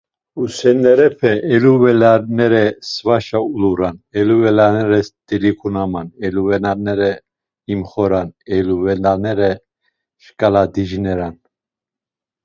Husinerepe eluvelanere svaşe uluran, eluvelanere delinkunaman, eluvelanere imxoran, eluvelanere şkala dicineran.